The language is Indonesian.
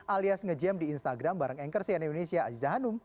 alias ngejam di instagram bareng anchor cnn indonesia ajis zahanum